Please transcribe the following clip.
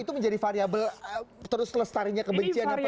itu menjadi variabel terus lestarinya kebencian yang berusur ya